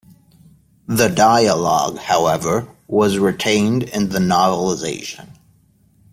The dialogue, however, was retained in the novelization.